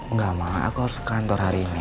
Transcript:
enggak ma aku harus ke kantor hari ini